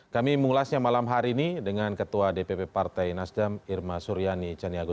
kami mengulasnya malam hari ini dengan ketua dpp partai nasdem irma suryani caniagus